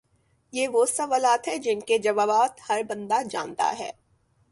یہ وہ سوالات ہیں جن کے جوابات ہر بندہ جانتا ہے